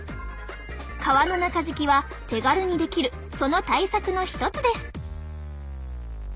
革の中敷きは手軽にできるその対策の一つです。